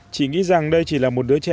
chị nghĩ rằng đây chỉ là một đứa trẻ em